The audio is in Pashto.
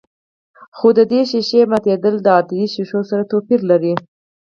خو د دې ښيښې ماتېدل د عادي ښيښو سره توپير لري.